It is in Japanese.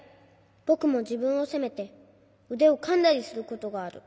ぼくもじぶんをせめてうでをかんだりすることがある。